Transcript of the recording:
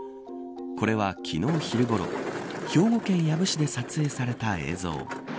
これは昨日、昼ごろ兵庫県養父市で撮影された映像。